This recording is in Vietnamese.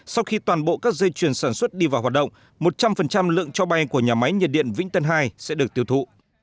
sau khi toàn bộ các dây chuyền sản xuất đi vào hoạt động một trăm linh lượng cho bay của nhà máy nhiệt điện vĩnh tân hai sẽ được tiêu thụ